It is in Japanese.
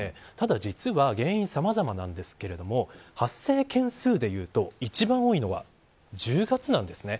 実は原因さまざまなんですけど発生件数でいうと一番多いのは１０月なんです。